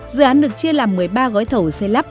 dự án được chia làm một mươi ba gói thầu xây lắp